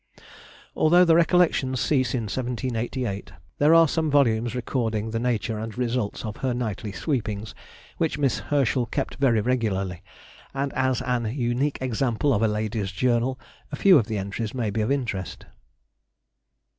_] Although the Recollections cease in 1788, there are some volumes recording the nature and results of her nightly "sweepings," which Miss Herschel kept very regularly, and, as an unique example of a lady's journal, a few of the entries may be of interest.